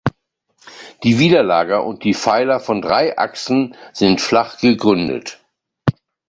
Die Widerlager und die Pfeiler von drei Achsen sind flach gegründet.